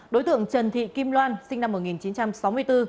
đối tượng trần thị kim loan sinh năm một nghìn chín trăm sáu mươi bốn